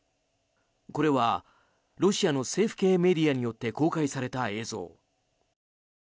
これはロシアの政府系メディアによって公開された映像。